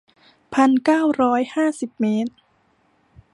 พันเก้าร้อยห้าสิบเมตร